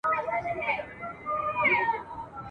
زېږوي یې چاغوي یې ځوانوي یې !.